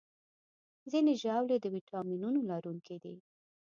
ځینې ژاولې د ویټامینونو لرونکي دي.